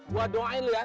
gua doain lu ya